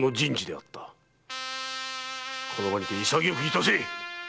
この場にて潔くいたせ！